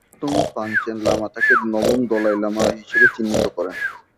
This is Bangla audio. সপ্তম পাঞ্চেন লামা তাকে নবম দলাই লামা হিসেবে চিহ্নিত করেন।